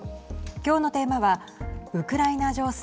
今日のテーマはウクライナ情勢。